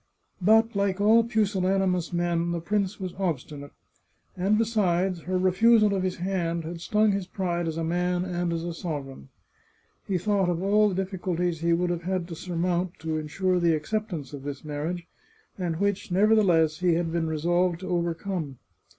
But, like all pusillanimous men, the prince was obstinate ; and besides, her refusal of his hand had stung his pride as a man and as a sovereign. He thought of all the difficulties he would have had to surmount to insure the acceptance of this marriage, and which, nevertheless, he had been resolved to overcome.